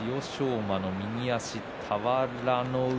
馬の右足、俵の上。